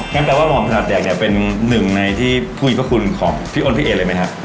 แปลว่าหม่อมถนัดแดกเนี่ยเป็นหนึ่งในที่ผู้มีพระคุณของพี่อ้นพี่เอเลยไหมฮะ